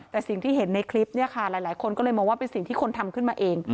แต่สิ่งที่เห็นในคลิปเนี่ยค่ะหลายคนก็เลยมองว่าเป็นสิ่งที่คนทำขึ้นมาเอง